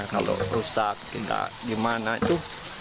kalau rusak kita gimana itu